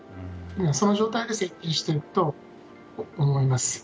その状態で接近していくと思います。